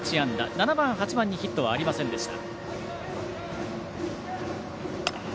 ７番、８番にヒットはありませんでした。